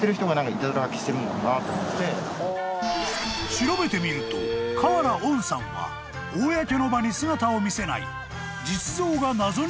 ［調べてみると河原温さんは公の場に姿を見せない］